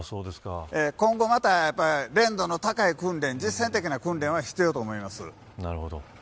今後また、やっぱり練度の高い訓練、実際的な訓練は必要だと思います。